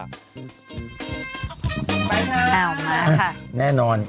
ไปค่ะมาค่ะแน่นอน